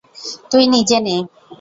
তুই নিজে নে।